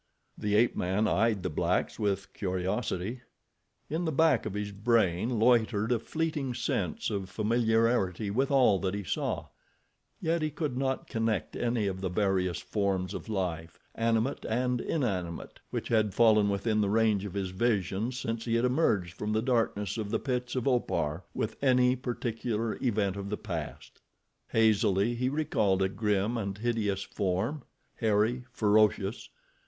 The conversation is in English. The ape man eyed the blacks with curiosity. In the back of his brain loitered a fleeting sense of familiarity with all that he saw, yet he could not connect any of the various forms of life, animate and inanimate, which had fallen within the range of his vision since he had emerged from the darkness of the pits of Opar, with any particular event of the past. Hazily he recalled a grim and hideous form, hairy, ferocious.